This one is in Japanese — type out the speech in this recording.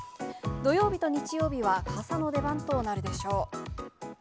土曜日と日曜日は傘の出番となるでしょう。